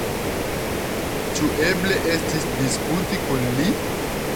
Ĉu eble estis disputi kun li?